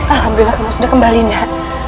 alhamdulillah kembali nah